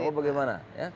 itu mau kemana